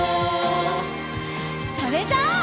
それじゃあ。